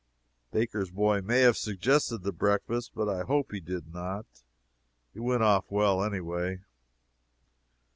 Baker's boy may have suggested the breakfast, but I hope he did not. It went off well, anyhow.